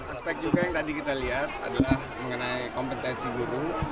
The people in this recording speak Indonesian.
aspek juga yang tadi kita lihat adalah mengenai kompetensi guru